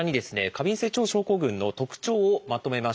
過敏性腸症候群の特徴をまとめました。